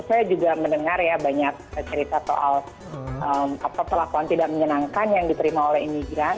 saya juga mendengar ya banyak cerita soal perlakuan tidak menyenangkan yang diterima oleh imigran